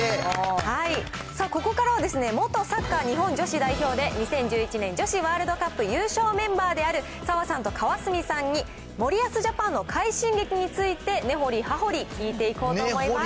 さあ、ここからは元サッカー日本女子代表で、２０１１年女子ワールドカップ優勝メンバーである澤さんと川澄さんに、森保ジャパンの快進撃について、根掘り葉掘り聞いていこうと思います。